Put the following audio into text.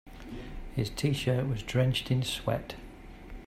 His t-shirt was drenched in sweat.